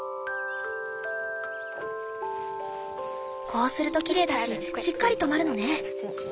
こうするときれいだししっかり留まるのね。